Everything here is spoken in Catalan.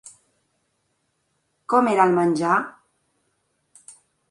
Com era el menjar?